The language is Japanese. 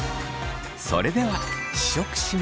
それでは試食します。